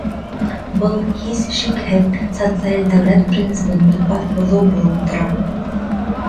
Был, һис шикһеҙ, социаль дәүләт принцибын тупаҫ боҙоу булып тора.